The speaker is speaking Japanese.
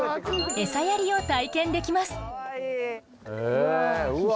餌やりを体験できます。